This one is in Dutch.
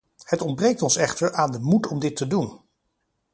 Het ontbreekt ons echter aan de moed om dit te doen.